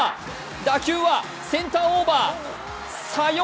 打球はセンターオーバー。